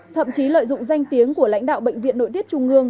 thậm chí lợi dụng danh tiếng của lãnh đạo bệnh viện nội tiết trung ương